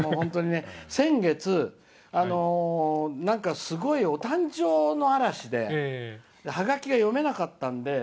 先月、すごいお誕生日の嵐でハガキが読めなかったんで。